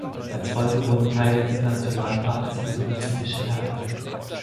Als Folge wurden Teile des Nationalparkes für Touristen gesperrt.